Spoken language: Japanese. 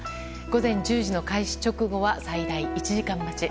午前１０時の開始直後は最大１時間待ち。